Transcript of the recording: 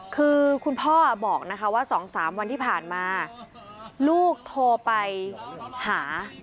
คือคุณพ่อบอกนะคะว่า๒๓วันที่ผ่านมาลูกโทรไปหา